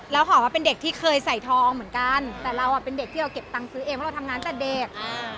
แล้วหอมก็เป็นเด็กที่เคยใส่ทองเหมือนกันแต่เราอ่ะเป็นเด็กที่เราเก็บตังค์ซื้อเองเพราะเราทำงานแต่เด็ก